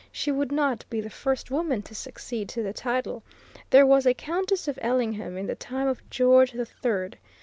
She would not be the first woman to succeed to the title: there was a Countess of Ellingham in the time of George the Third.